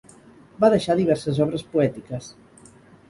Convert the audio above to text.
Va deixar diverses obres poètiques.